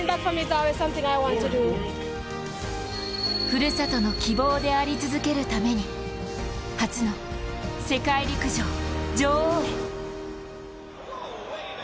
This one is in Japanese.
ふるさとの希望であり続けるために初の世界陸上女王へ。